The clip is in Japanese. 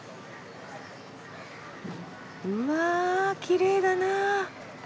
うわきれいだなあ！